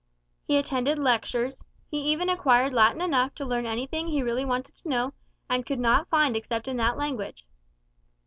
He attended lectures; he even acquired Latin enough to learn anything he really wanted to know, and could not find except in that language.